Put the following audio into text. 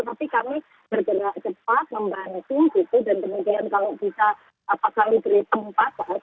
tapi kami bergerak cepat membantu dan kemudian kalau bisa apakah lebih beritahu tempatan